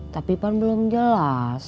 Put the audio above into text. tapi kan belum jelas